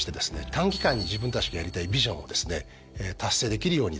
短期間に自分たちがやりたいビジョンをですね達成できるようにですね